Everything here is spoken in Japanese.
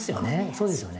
そうですよね